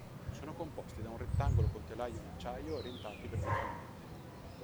Sono composti da un rettangolo con telaio in acciaio orientati verticalmente.